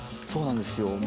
そうなんですよ